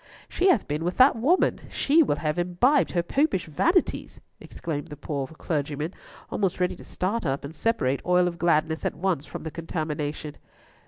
"She hath been with that woman; she will have imbibed her Popish vanities!" exclaimed the poor clergyman, almost ready to start up and separate Oil of Gladness at once from the contamination.